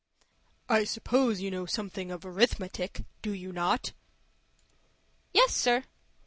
"I suppose you know something of arithmetic, do you not?" "Yes, sir."